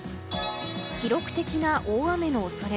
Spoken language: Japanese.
記録的な大雨の恐れ。